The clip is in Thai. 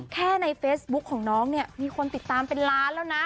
ในเฟซบุ๊คของน้องเนี่ยมีคนติดตามเป็นล้านแล้วนะ